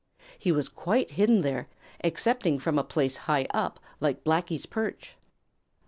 He was quite hidden there, excepting from a place high up like Blacky's perch.